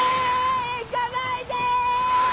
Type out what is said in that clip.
行かないで！